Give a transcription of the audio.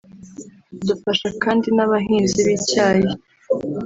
Dufasha kandi n’abahinzi b’icyayi